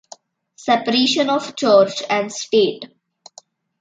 Separation of church and state.